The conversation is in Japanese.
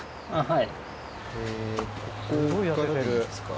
はい。